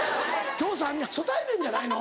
今日３人初対面じゃないの？